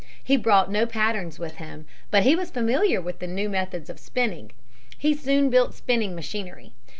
He brought no patterns with him. But he was familiar with the new methods of spinning. He soon built spinning machinery.